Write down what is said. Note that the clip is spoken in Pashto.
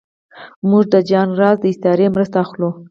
موږ د جان رالز د استعارې مرسته اخلو.